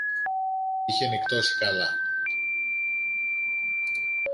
Είχε νυχτώσει καλά.